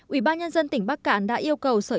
ủy ban nhân dân tỉnh bắc cạn đã yêu cầu sở